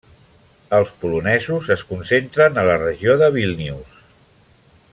Els polonesos es concentren a la regió de Vílnius.